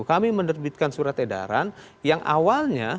kami menerbitkan surat edaran yang awalnya